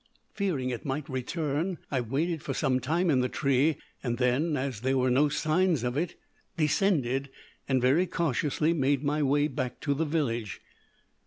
Fearing it might return, I waited for some time in the tree, and then, as there were no signs of it, descended, and very cautiously made my way back to the village.